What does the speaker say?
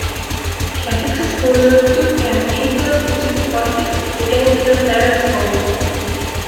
Kathy's exposure to and interest in city politics began in her parents' home.